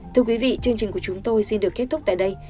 thưa quý vị chương trình của chúng tôi xin được kết thúc tại đây